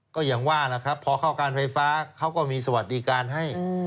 ก็อย่างว่าล่ะครับพอเข้าการไฟฟ้าเขาก็มีสวัสดิการให้